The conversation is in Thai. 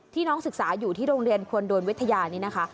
น้องศึกษาอยู่ที่โรงเรียนควรโดนวิทยานี่นะคะ